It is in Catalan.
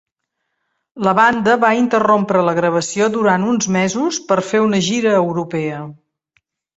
La banda va interrompre la gravació durant uns mesos per fer una gira europea.